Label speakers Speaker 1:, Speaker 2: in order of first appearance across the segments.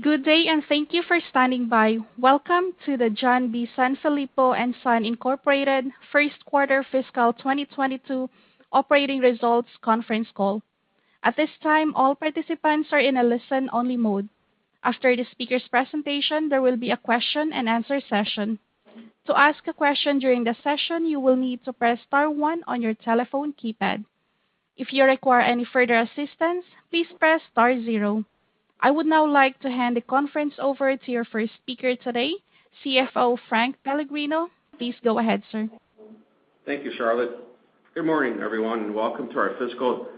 Speaker 1: Good day, and thank you for standing by. Welcome to the John B. Sanfilippo & Son Incorporated. First Quarter Fiscal 2022 Operating Results Conference Call. At this time, all participants are in a listen-only mode. After the speaker's presentation, there will be a question-and-answer session. To ask a question during the session, you will need to press star one on your telephone keypad. If you require any further assistance, please press star zero. I would now like to hand the conference over to your first speaker today, CFO Frank Pellegrino. Please go ahead, sir.
Speaker 2: Thank you, Charlotte. Good morning, everyone, and welcome to our fiscal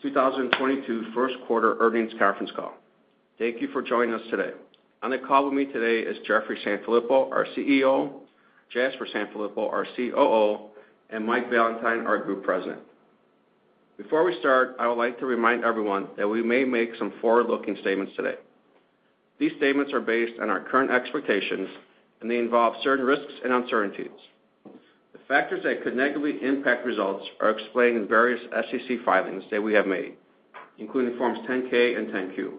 Speaker 2: 2022 first quarter earnings conference call. Thank you for joining us today. On the call with me today is Jeffrey Sanfilippo, our CEO, Jasper Sanfilippo, our COO, and Mike Valentine, our Group President. Before we start, I would like to remind everyone that we may make some forward-looking statements today. These statements are based on our current expectations, and they involve certain risks and uncertainties. The factors that could negatively impact results are explained in various SEC filings that we have made, including Forms 10-K and 10-Q.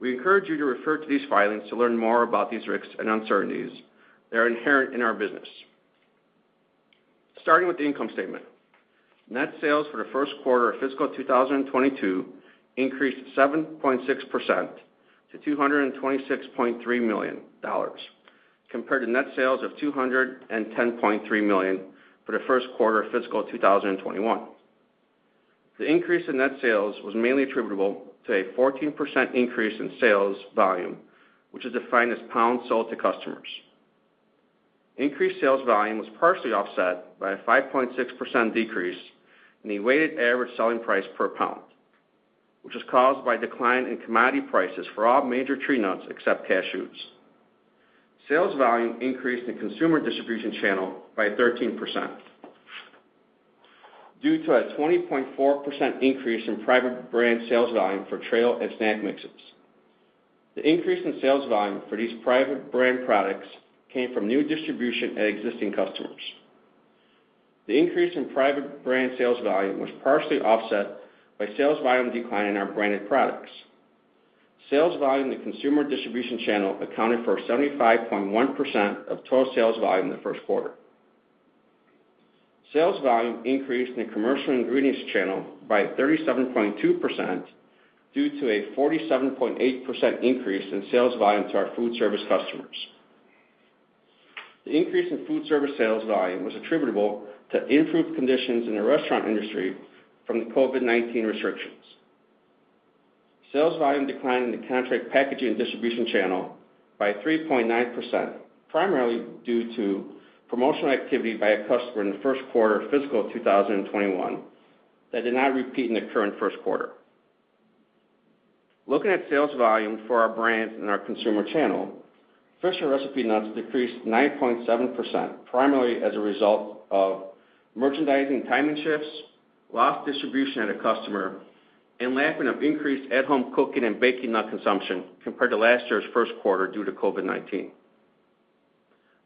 Speaker 2: We encourage you to refer to these filings to learn more about these risks and uncertainties that are inherent in our business. Starting with the income statement. Net sales for the first quarter of fiscal 2022 increased 7.6% to $226.3 million, compared to net sales of $210.3 million for the first quarter of fiscal 2021. The increase in net sales was mainly attributable to a 14% increase in sales volume, which is defined as pounds sold to customers. Increased sales volume was partially offset by a 5.6% decrease in the weighted average selling price per pound, which was caused by decline in commodity prices for all major tree nuts except cashews. Sales volume increased in consumer distribution channel by 13% due to a 20.4% increase in private brand sales volume for trail and snack mixes. The increase in sales volume for these private brand products came from new distribution at existing customers. The increase in private brand sales volume was partially offset by sales volume decline in our branded products. Sales volume in the consumer distribution channel accounted for 75.1% of total sales volume in the first quarter. Sales volume increased in the commercial ingredients channel by 37.2% due to a 47.8% increase in sales volume to our food service customers. The increase in food service sales volume was attributable to improved conditions in the restaurant industry from the COVID-19 restrictions. Sales volume declined in the contract packaging distribution channel by 3.9%, primarily due to promotional activity by a customer in the first quarter of fiscal 2021 that did not repeat in the current first quarter. Looking at sales volume for our brands in our consumer channel, Fisher Recipe Nuts decreased 9.7%, primarily as a result of merchandising timing shifts, lost distribution at a customer, and lack of increased at-home cooking and baking nut consumption compared to last year's first quarter due to COVID-19.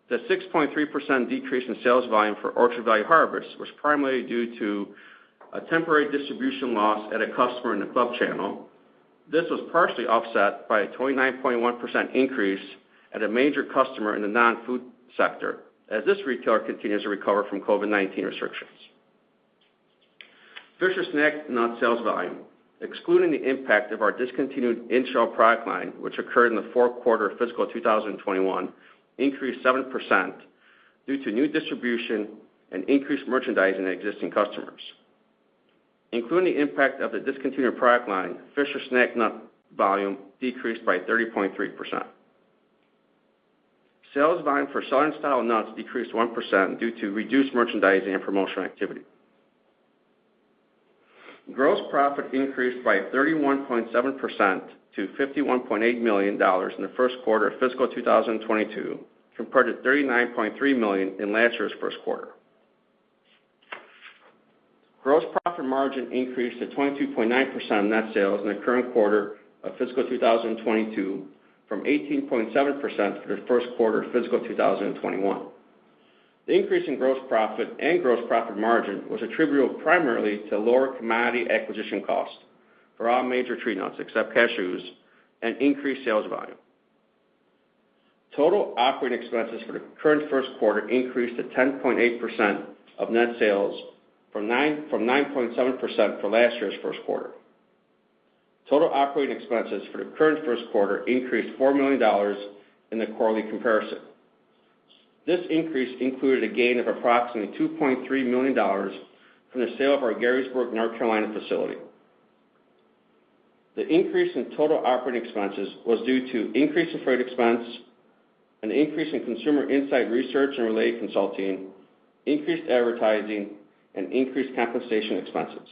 Speaker 2: The 6.3% decrease in sales volume for Orchard Valley Harvest was primarily due to a temporary distribution loss at a customer in the club channel. This was partially offset by a 29.1% increase at a major customer in the non-food sector as this retailer continues to recover from COVID-19 restrictions. Fisher Snack Nuts sales volume, excluding the impact of our discontinued in-shell product line, which occurred in the fourth quarter of fiscal 2021, increased 7% due to new distribution and increased merchandising at existing customers. Including the impact of the discontinued product line, Fisher Snack Nuts volume decreased by 30.3%. Sales volume for Southern Style Nuts decreased 1% due to reduced merchandising and promotional activity. Gross profit increased by 31.7% to $51.8 million in the first quarter of fiscal 2022 compared to $39.3 million in last year's first quarter. Gross profit margin increased to 22.9% of net sales in the current quarter of fiscal 2022 from 18.7% for the first quarter of fiscal 2021. The increase in gross profit and gross profit margin was attributable primarily to lower commodity acquisition costs for all major tree nuts, except cashews, and increased sales volume. Total operating expenses for the current first quarter increased to 10.8% of net sales from 9.7% for last year's first quarter. Total operating expenses for the current first quarter increased $4 million in the quarterly comparison. This increase included a gain of approximately $2.3 million from the sale of our Garysburg, North Carolina facility. The increase in total operating expenses was due to increase in freight expense, an increase in consumer insight research and related consulting, increased advertising, and increased compensation expenses.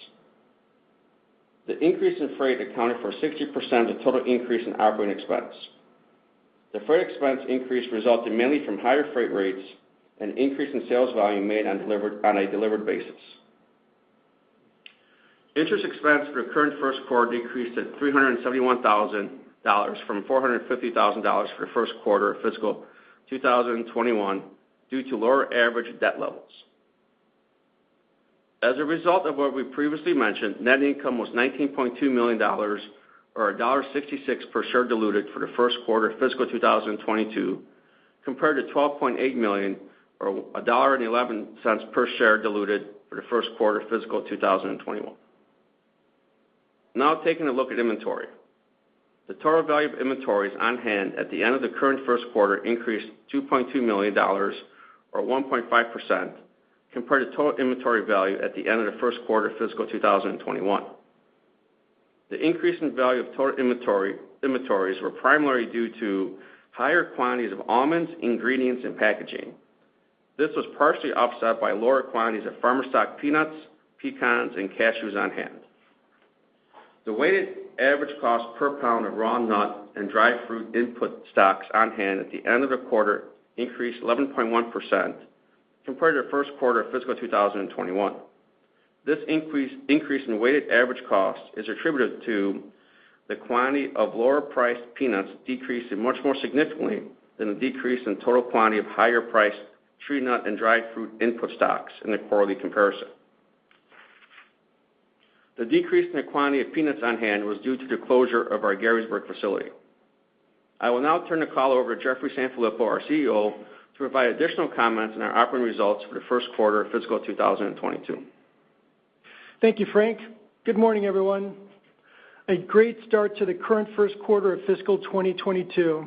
Speaker 2: The increase in freight accounted for 60% of total increase in operating expense. The freight expense increase resulted mainly from higher freight rates and increase in sales volume made on a delivered basis. Interest expense for the current first quarter decreased to $371,000 from $450,000 for the first quarter of fiscal 2021 due to lower average debt levels. As a result of what we previously mentioned, net income was $19.2 million or $1.66 per share diluted for the first quarter of fiscal 2022, compared to $12.8 million or $1.11 per share diluted for the first quarter of fiscal 2021. Now taking a look at inventory. The total value of inventories on hand at the end of the current first quarter increased $2.2 million or 1.5% compared to total inventory value at the end of the first quarter of fiscal 2021. The increase in value of total inventories was primarily due to higher quantities of almonds, ingredients, and packaging. This was partially offset by lower quantities of farmer stock peanuts, pecans, and cashews on hand. The weighted average cost per pound of raw nut and dried fruit input stocks on hand at the end of the quarter increased 11.1% compared to the first quarter of fiscal 2021. This increase in weighted average cost is attributed to the quantity of lower priced peanuts decreasing much more significantly than the decrease in total quantity of higher priced tree nut and dried fruit input stocks in the quarterly comparison. The decrease in the quantity of peanuts on hand was due to the closure of our Garysburg facility. I will now turn the call over to Jeffrey Sanfilippo, our CEO, to provide additional comments on our operating results for the first quarter of fiscal 2022.
Speaker 3: Thank you, Frank. Good morning, everyone. A great start to the current first quarter of fiscal 2022.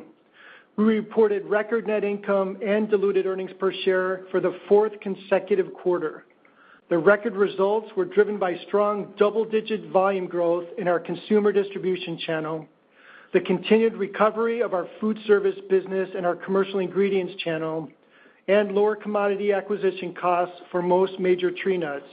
Speaker 3: We reported record net income and diluted earnings per share for the fourth consecutive quarter. The record results were driven by strong double-digit volume growth in our consumer distribution channel, the continued recovery of our food service business and our commercial ingredients channel, and lower commodity acquisition costs for most major tree nuts.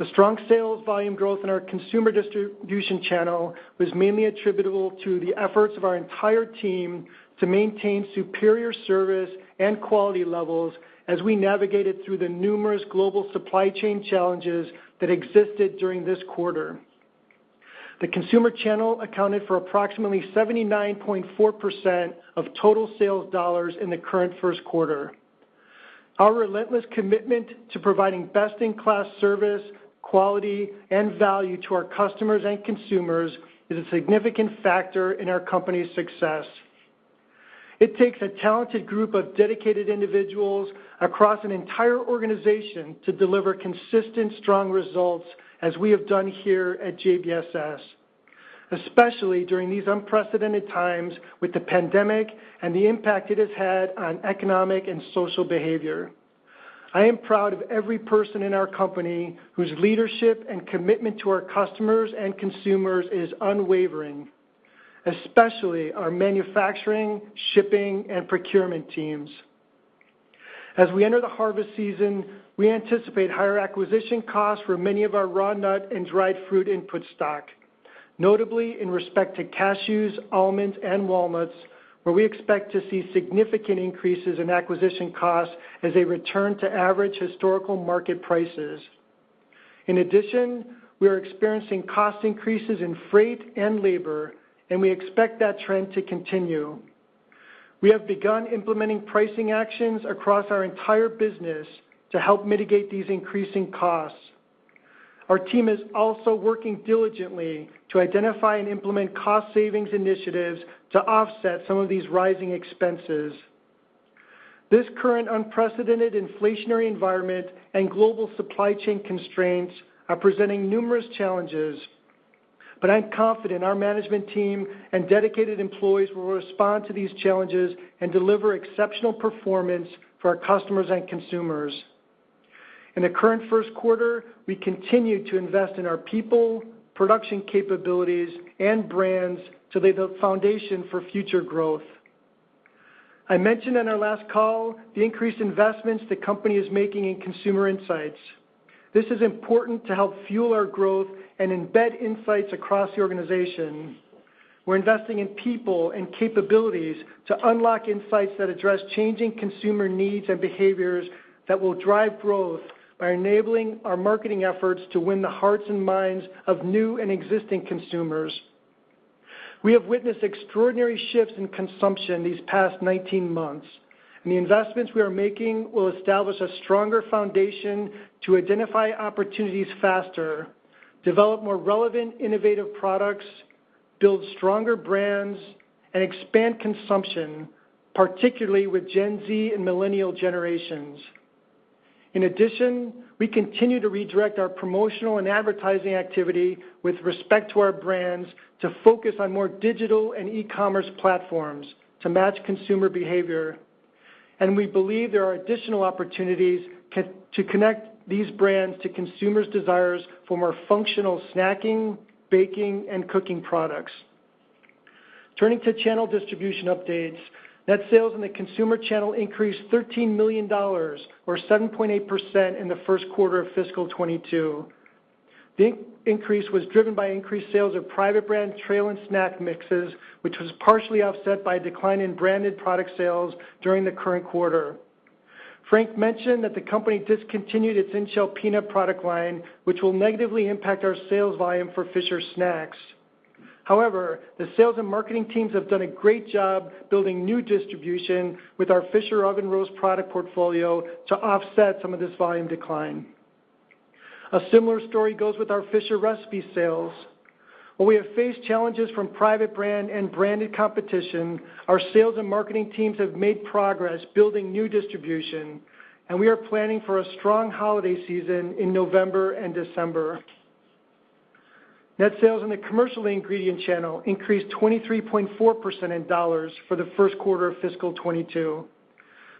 Speaker 3: The strong sales volume growth in our consumer distribution channel was mainly attributable to the efforts of our entire team to maintain superior service and quality levels as we navigated through the numerous global supply chain challenges that existed during this quarter. The consumer channel accounted for approximately 79.4% of total sales dollars in the current first quarter. Our relentless commitment to providing best-in-class service, quality, and value to our customers and consumers is a significant factor in our company's success. It takes a talented group of dedicated individuals across an entire organization to deliver consistent, strong results as we have done here at JBSS, especially during these unprecedented times with the pandemic and the impact it has had on economic and social behavior. I am proud of every person in our company whose leadership and commitment to our customers and consumers is unwavering, especially our manufacturing, shipping, and procurement teams. As we enter the harvest season, we anticipate higher acquisition costs for many of our raw nut and dried fruit input stock, notably in respect to cashews, almonds, and walnuts, where we expect to see significant increases in acquisition costs as they return to average historical market prices. In addition, we are experiencing cost increases in freight and labor, and we expect that trend to continue. We have begun implementing pricing actions across our entire business to help mitigate these increasing costs. Our team is also working diligently to identify and implement cost savings initiatives to offset some of these rising expenses. This current unprecedented inflationary environment and global supply chain constraints are presenting numerous challenges, but I'm confident our management team and dedicated employees will respond to these challenges and deliver exceptional performance for our customers and consumers. In the current first quarter, we continued to invest in our people, production capabilities, and brands to lay the foundation for future growth. I mentioned on our last call the increased investments the company is making in consumer insights. This is important to help fuel our growth and embed insights across the organization. We're investing in people and capabilities to unlock insights that address changing consumer needs and behaviors that will drive growth by enabling our marketing efforts to win the hearts and minds of new and existing consumers. We have witnessed extraordinary shifts in consumption these past 19 months, and the investments we are making will establish a stronger foundation to identify opportunities faster, develop more relevant, innovative products, build stronger brands, and expand consumption, particularly with Gen Z and millennial generations. In addition, we continue to redirect our promotional and advertising activity with respect to our brands to focus on more digital and e-commerce platforms to match consumer behavior. We believe there are additional opportunities to connect these brands to consumers' desires for more functional snacking, baking, and cooking products. Turning to channel distribution updates, net sales in the consumer channel increased $13 million, or 7.8% in the first quarter of fiscal 2022. The increase was driven by increased sales of private brand trail and snack mixes, which was partially offset by a decline in branded product sales during the current quarter. Frank mentioned that the company discontinued its in-shell peanut product line, which will negatively impact our sales volume for Fisher Snacks. However, the sales and marketing teams have done a great job building new distribution with our Fisher Oven Roasted product portfolio to offset some of this volume decline. A similar story goes with our Fisher Recipe sales. While we have faced challenges from private brand and branded competition, our sales and marketing teams have made progress building new distribution, and we are planning for a strong holiday season in November and December. Net sales in the commercial ingredient channel increased 23.4% in dollars for the first quarter of fiscal 2022.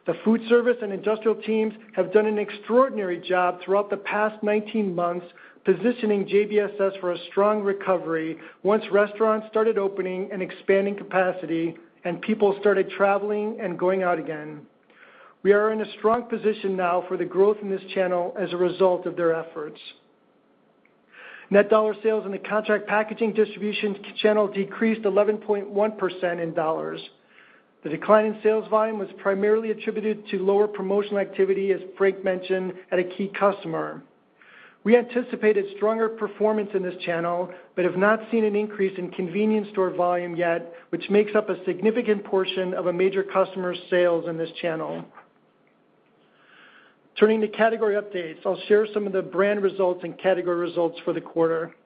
Speaker 3: The food service and industrial teams have done an extraordinary job throughout the past 19 months positioning JBSS for a strong recovery once restaurants started opening and expanding capacity and people started traveling and going out again. We are in a strong position now for the growth in this channel as a result of their efforts. Net dollar sales in the contract packaging distribution channel decreased 11.1% in dollars. The decline in sales volume was primarily attributed to lower promotional activity, as Frank mentioned, at a key customer. We anticipated stronger performance in this channel, but have not seen an increase in convenience store volume yet, which makes up a significant portion of a major customer's sales in this channel. Turning to category updates, I'll share some of the brand results and category results for the quarter.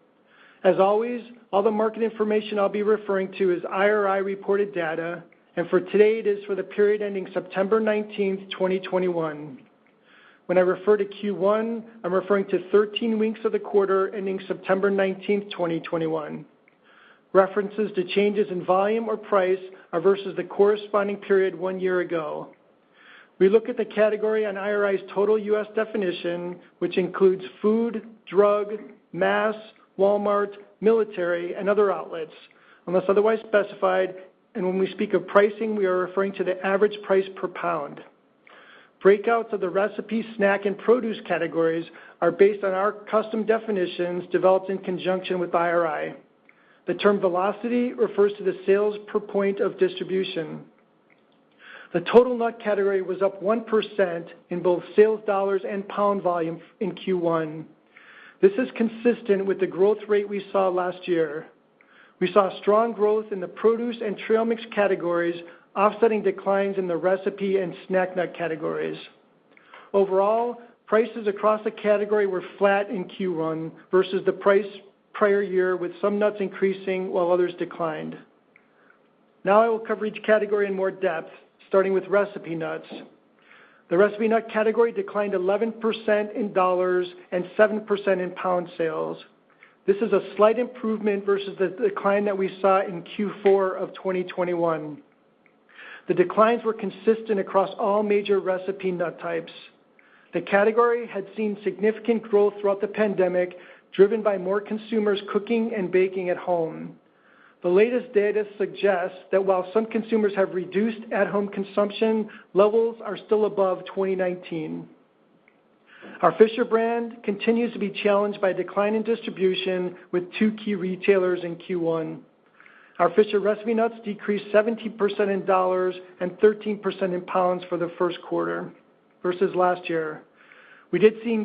Speaker 3: As always, all the market information I'll be referring to is IRI reported data, and for today it is for the period ending September 19th, 2021. When I refer to Q1, I'm referring to 13 weeks of the quarter ending September 19th, 2021. References to changes in volume or price are versus the corresponding period one year ago. We look at the category on IRI's total U.S. definition, which includes food, drug, mass, Walmart, military, and other outlets, unless otherwise specified. When we speak of pricing, we are referring to the average price per pound. Breakouts of the recipe, snack, and produce categories are based on our custom definitions developed in conjunction with IRI. The term velocity refers to the sales per point of distribution. The total nut category was up 1% in both sales dollars and pound volume in Q1. This is consistent with the growth rate we saw last year. We saw strong growth in the produce and trail mix categories, offsetting declines in the recipe and snack nut categories. Overall, prices across the category were flat in Q1 versus the price prior year, with some nuts increasing while others declined. Now I will cover each category in more depth, starting with recipe nuts. The recipe nut category declined 11% in dollars and 7% in pound sales. This is a slight improvement versus the decline that we saw in Q4 of 2021. The declines were consistent across all major recipe nut types. The category had seen significant growth throughout the pandemic, driven by more consumers cooking and baking at home. The latest data suggests that while some consumers have reduced at-home consumption, levels are still above 2019. Our Fisher brand continues to be challenged by a decline in distribution with two key retailers in Q1. Our Fisher Recipe Nuts decreased 17% in dollars and 13% in pounds for the first quarter versus last year. We did see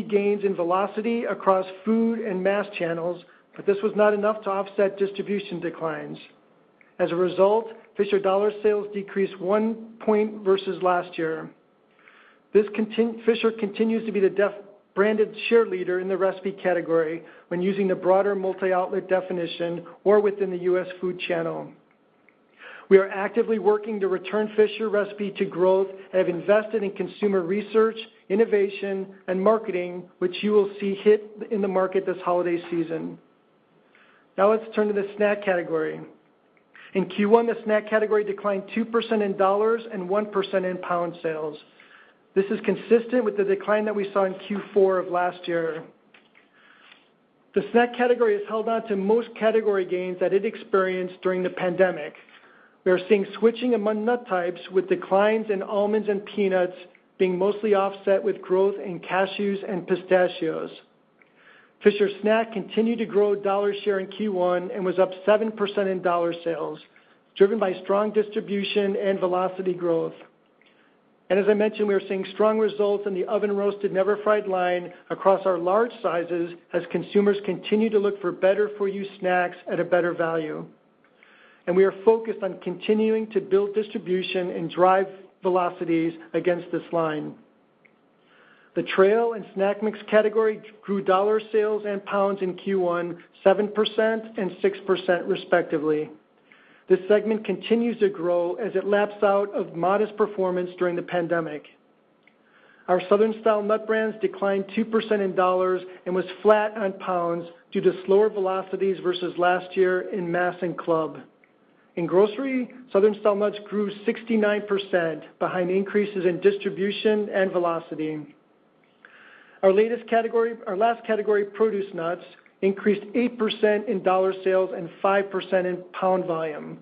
Speaker 3: gains in velocity across food and mass channels, but this was not enough to offset distribution declines. As a result, Fisher dollar sales decreased 1 point versus last year. Fisher continues to be the branded share leader in the recipe category when using the broader multi-outlet definition or within the U.S. food channel. We are actively working to return Fisher Recipe to growth and have invested in consumer research, innovation, and marketing, which you will see hit in the market this holiday season. Now let's turn to the snack category. In Q1, the snack category declined 2% in dollars and 1% in pound sales. This is consistent with the decline that we saw in Q4 of last year. The snack category has held on to most category gains that it experienced during the pandemic. We are seeing switching among nut types, with declines in almonds and peanuts being mostly offset with growth in cashews and pistachios. Fisher Snack continued to grow dollar share in Q1 and was up 7% in dollar sales, driven by strong distribution and velocity growth. As I mentioned, we are seeing strong results in the Oven Roasted Never Fried line across our large sizes as consumers continue to look for better for you snacks at a better value. We are focused on continuing to build distribution and drive velocities against this line. The trail and snack mix category grew dollar sales and pounds in Q1 7% and 6% respectively. This segment continues to grow as it laps out of modest performance during the pandemic. Our Southern Style Nuts brands declined 2% in dollars and was flat on pounds due to slower velocities versus last year in mass and club. In grocery, Southern Style Nuts grew 69% behind increases in distribution and velocity. Our latest category, our last category, produce nuts, increased 8% in dollar sales and 5% in pound volume.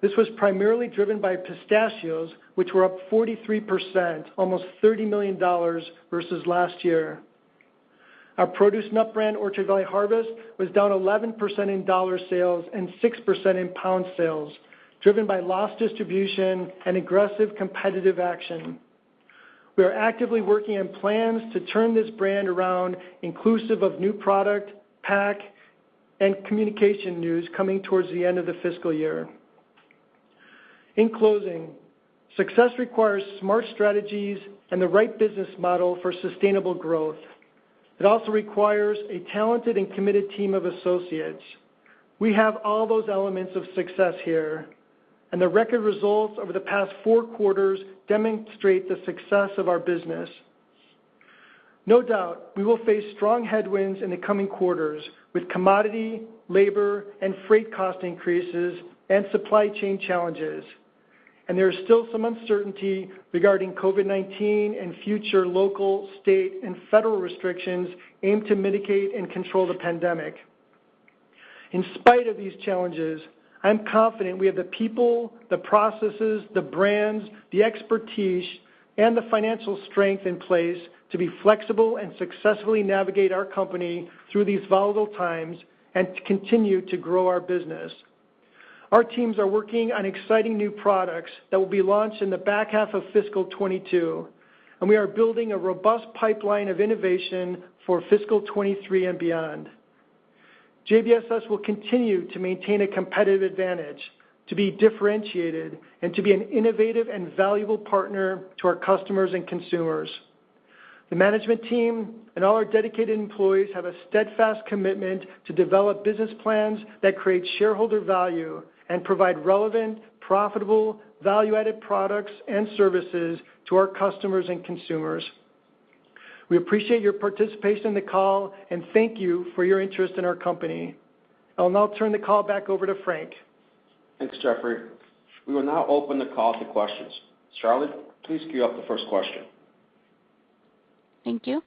Speaker 3: This was primarily driven by pistachios, which were up 43%, almost $30 million versus last year. Our produce nut brand, Orchard Valley Harvest, was down 11% in dollar sales and 6% in pound sales, driven by lost distribution and aggressive competitive action. We are actively working on plans to turn this brand around, inclusive of new product, pack, and communication news coming towards the end of the fiscal year. In closing, success requires smart strategies and the right business model for sustainable growth. It also requires a talented and committed team of associates. We have all those elements of success here, and the record results over the past four quarters demonstrate the success of our business. No doubt, we will face strong headwinds in the coming quarters with commodity, labor, and freight cost increases and supply chain challenges. There is still some uncertainty regarding COVID-19 and future local, state, and federal restrictions aimed to mitigate and control the pandemic. In spite of these challenges, I'm confident we have the people, the processes, the brands, the expertise, and the financial strength in place to be flexible and successfully navigate our company through these volatile times and to continue to grow our business. Our teams are working on exciting new products that will be launched in the back half of fiscal 2022, and we are building a robust pipeline of innovation for fiscal 2023 and beyond. JBSS will continue to maintain a competitive advantage, to be differentiated, and to be an innovative and valuable partner to our customers and consumers. The management team and all our dedicated employees have a steadfast commitment to develop business plans that create shareholder value and provide relevant, profitable, value-added products and services to our customers and consumers. We appreciate your participation in the call and thank you for your interest in our company. I'll now turn the call back over to Frank.
Speaker 2: Thanks, Jeffrey. We will now open the call to questions. Charlotte, please queue up the first question.
Speaker 1: Thank you.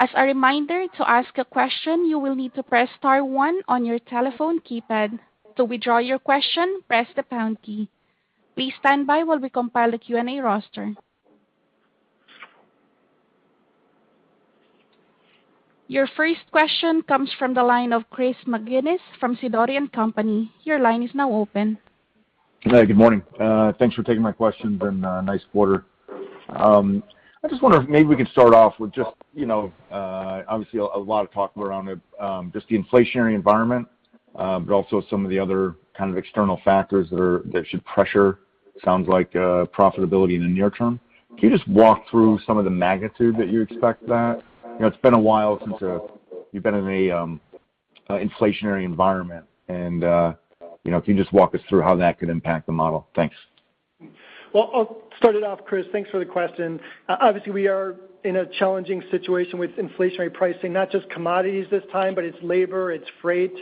Speaker 1: As a reminder, to ask a question, you will need to press star one on your telephone keypad. To withdraw your question, press the pound key. Please stand by while we compile a Q&A roster. Your first question comes from the line of Chris McGinnis from Sidoti & Company. Your line is now open.
Speaker 4: Hey, good morning. Thanks for taking my questions and, nice quarter. I just wonder if maybe we can start off with just, you know, obviously a lot of talk around the, just the inflationary environment, but also some of the other kind of external factors that should pressure, sounds like, profitability in the near term. Can you just walk through some of the magnitude that you expect that? You know, it's been a while since, you've been in a, inflationary environment and, you know, can you just walk us through how that could impact the model? Thanks.
Speaker 3: Well, I'll start it off, Chris. Thanks for the question. Obviously, we are in a challenging situation with inflationary pricing, not just commodities this time, but it's labor, it's freight.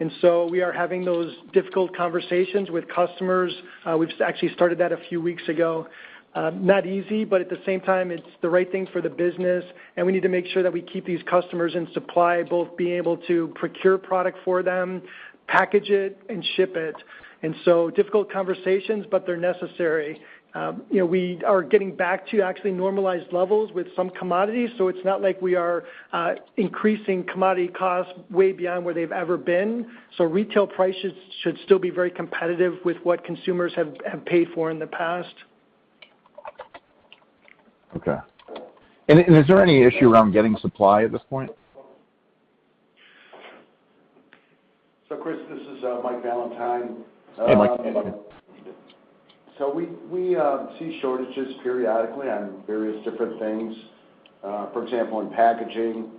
Speaker 3: We are having those difficult conversations with customers. We've actually started that a few weeks ago. Not easy, but at the same time, it's the right thing for the business, and we need to make sure that we keep these customers in supply, both being able to procure product for them, package it, and ship it. Difficult conversations, but they're necessary. You know, we are getting back to actually normalized levels with some commodities, so it's not like we are increasing commodity costs way beyond where they've ever been. Retail prices should still be very competitive with what consumers have paid for in the past.
Speaker 4: Okay. Is there any issue around getting supply at this point?
Speaker 5: Chris, this is Mike Valentine.
Speaker 4: Hey, Mike.
Speaker 5: We see shortages periodically on various different things. For example, in packaging,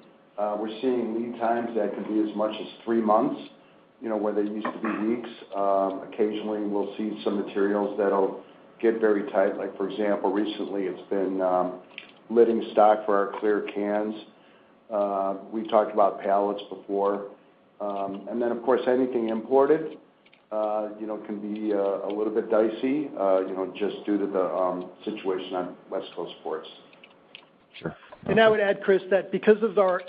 Speaker 5: we're seeing lead times that can be as much as three months, you know, where they used to be weeks. Occasionally we'll see some materials that'll get very tight. Like, for example, recently it's been lidding stock for our clear cans. We've talked about pallets before. Of course, anything imported, you know, can be a little bit dicey, you know, just due to the situation on West Coast ports.
Speaker 4: Sure.
Speaker 3: I would add, Chris, that because of our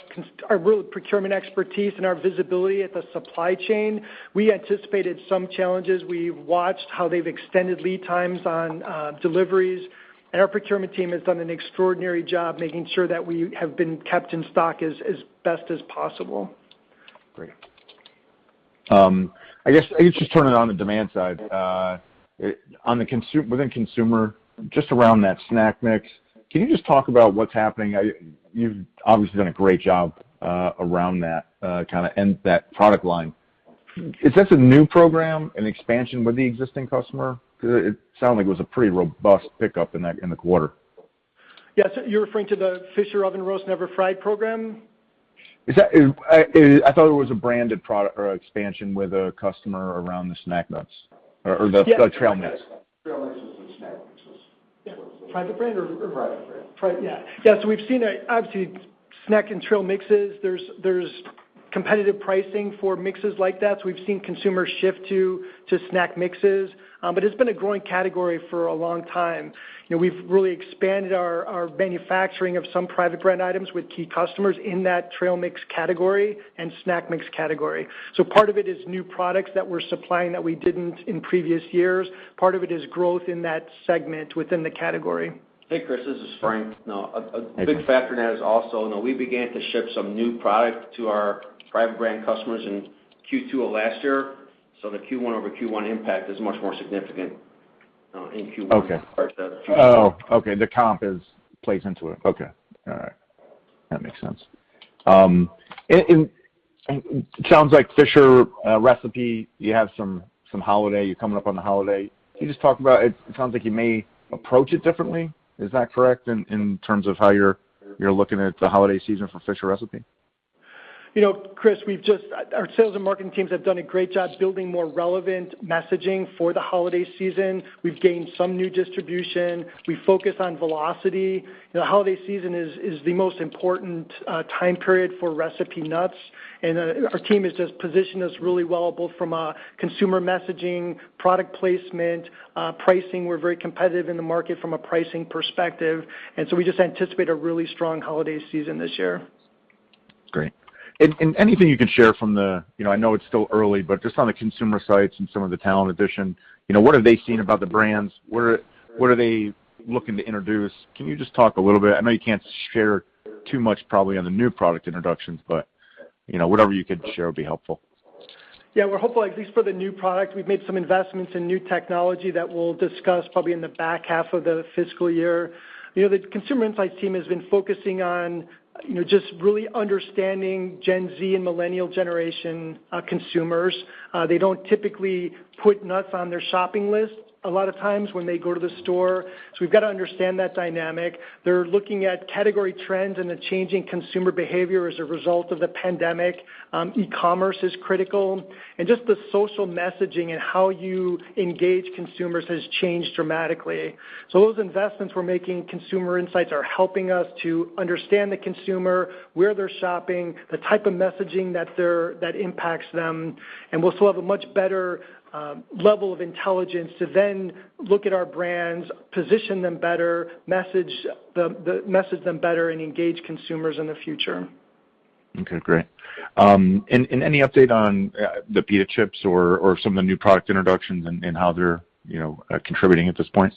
Speaker 3: real procurement expertise and our visibility at the supply chain, we anticipated some challenges. We've watched how they've extended lead times on deliveries. Our procurement team has done an extraordinary job making sure that we have been kept in stock as best as possible.
Speaker 4: Great. I guess I could just turn it on the demand side. Within consumer, just around that snack mix, can you just talk about what's happening? You've obviously done a great job around that kind of and that product line. Is this a new program, an expansion with the existing customer? 'Cause it sounded like it was a pretty robust pickup in that in the quarter.
Speaker 3: Yes. You're referring to the Fisher Oven Roasted Never Fried program?
Speaker 4: I thought it was a branded product or expansion with a customer around the snack nuts or the trail mix.
Speaker 5: Trail mixes and snack mixes.
Speaker 3: Private brand. We've seen, obviously, snack and trail mixes. There's competitive pricing for mixes like that, so we've seen consumers shift to snack mixes. But it's been a growing category for a long time. You know, we've really expanded our manufacturing of some private brand items with key customers in that trail mix category and snack mix category. Part of it is new products that we're supplying that we didn't in previous years. Part of it is growth in that segment within the category.
Speaker 2: Hey, Chris, this is Frank. Now, a big factor in that is also, you know, we began to ship some new product to our private brand customers in Q2 of last year. The Q1 over Q1 impact is much more significant.
Speaker 5: In Q1-
Speaker 4: Okay
Speaker 5: -versus
Speaker 4: Oh, okay. The comp plays into it. Okay. All right. That makes sense. It sounds like Fisher Recipe, you have some holiday. You're coming up on the holiday. Can you just talk about it? It sounds like you may approach it differently. Is that correct, in terms of how you're looking at the holiday season for Fisher Recipe?
Speaker 3: You know, Chris, our sales and marketing teams have done a great job building more relevant messaging for the holiday season. We've gained some new distribution. We focus on velocity. The holiday season is the most important time period for Recipe Nuts, and our team has just positioned us really well, both from a consumer messaging, product placement, pricing. We're very competitive in the market from a pricing perspective, and so we just anticipate a really strong holiday season this year.
Speaker 4: Great. Anything you can share from the, you know, I know it's still early, but just on the consumer side, some of the talent addition, you know, what are they seeing about the brands? What are they looking to introduce? Can you just talk a little bit? I know you can't share too much probably on the new product introductions, but, you know, whatever you can share will be helpful.
Speaker 3: Yeah, we're hopeful at least for the new product. We've made some investments in new technology that we'll discuss probably in the back half of the fiscal year. You know, the consumer insights team has been focusing on, you know, just really understanding Gen Z and millennial generation consumers. They don't typically put nuts on their shopping list a lot of times when they go to the store. So we've got to understand that dynamic. They're looking at category trends and the changing consumer behavior as a result of the pandemic. E-commerce is critical. Just the social messaging and how you engage consumers has changed dramatically. Those investments we're making in consumer insights are helping us to understand the consumer, where they're shopping, the type of messaging that impacts them. We'll still have a much better level of intelligence to then look at our brands, position them better, message them better and engage consumers in the future.
Speaker 4: Okay, great. Any update on the Chickpea Chips or some of the new product introductions and how they're, you know, contributing at this point?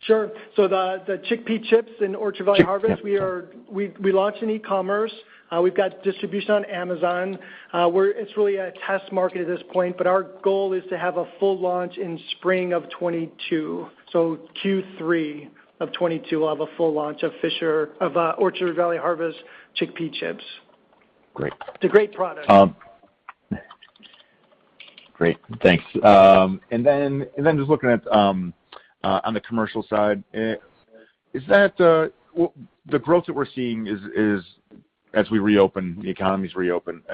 Speaker 3: Sure. The Chickpea chips in Orchard Valley Harvest, we launched in e-commerce. We've got distribution on Amazon, where it's really a test market at this point. Our goal is to have a full launch in spring of 2022. Q3 of 2022, we'll have a full launch of Orchard Valley Harvest Chickpea chips.
Speaker 4: Great.
Speaker 3: It's a great product.
Speaker 4: Great, thanks. Just looking at, on the commercial side, is that the growth that we're seeing as the economies reopen?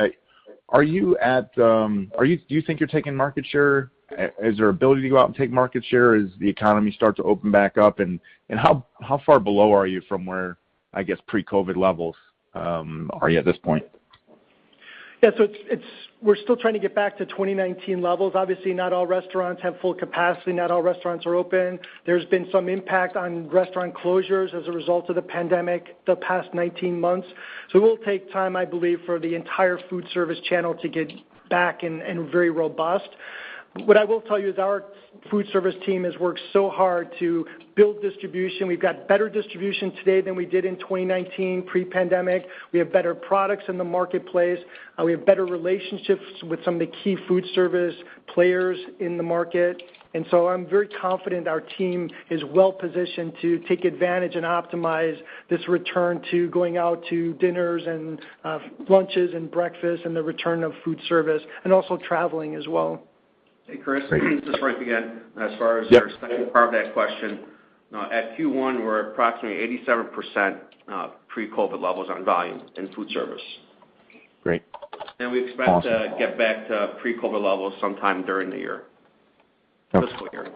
Speaker 4: Do you think you're taking market share? Is there ability to go out and take market share as the economy starts to open back up? How far below are you from where, I guess, pre-COVID levels at this point?
Speaker 3: Yeah. We're still trying to get back to 2019 levels. Obviously, not all restaurants have full capacity. Not all restaurants are open. There's been some impact on restaurant closures as a result of the pandemic the past 19 months. It will take time, I believe, for the entire food service channel to get back and very robust. What I will tell you is our food service team has worked so hard to build distribution. We've got better distribution today than we did in 2019 pre-pandemic. We have better products in the marketplace. We have better relationships with some of the key food service players in the market. I'm very confident our team is well positioned to take advantage and optimize this return to going out to dinners and lunches and breakfast and the return of food service, and also traveling as well.
Speaker 2: Hey, Chris, this is Frank again. As far as.
Speaker 4: Yeah.
Speaker 2: The second part of that question. At Q1, we're approximately 87% pre-COVID levels on volume in food service.
Speaker 4: Great. Awesome.
Speaker 2: We expect to get back to pre-COVID levels sometime during the year.
Speaker 4: Okay.
Speaker 2: Fiscal year.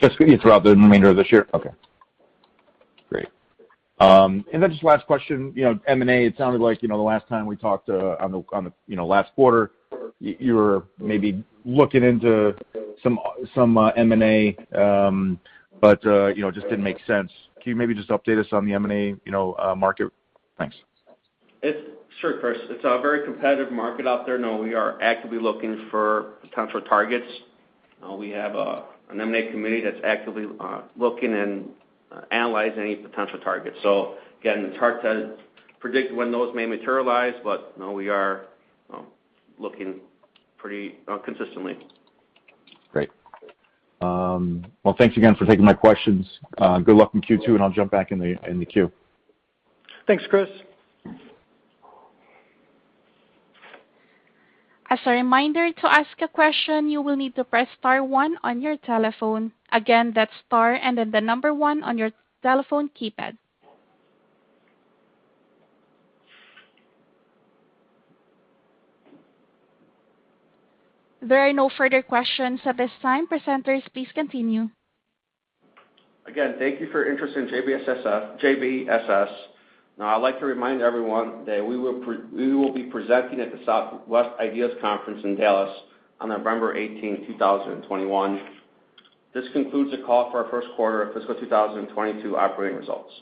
Speaker 4: Just throughout the remainder of this year? Okay, great. Just last question, you know, M&A, it sounded like, you know, the last time we talked, on the last quarter, you were maybe looking into some M&A, but, you know, just didn't make sense. Can you maybe just update us on the M&A, you know, market? Thanks.
Speaker 2: Sure, Chris. It's a very competitive market out there. No, we are actively looking for potential targets. We have an M&A committee that's actively looking and analyzing any potential targets. Again, it's hard to predict when those may materialize, but, you know, we are looking pretty consistently.
Speaker 4: Great. Well, thanks again for taking my questions. Good luck in Q2, and I'll jump back in the queue.
Speaker 3: Thanks, Chris.
Speaker 1: As a reminder, to ask a question, you will need to press star one on your telephone. Again, that's star and then the number one on your telephone keypad. There are no further questions at this time. Presenters, please continue.
Speaker 2: Again, thank you for your interest in JBSS. Now, I'd like to remind everyone that we will be presenting at the Southwest IDEAS Investor Conference in Dallas on November 18, 2021. This concludes the call for our first quarter of fiscal 2022 operating results.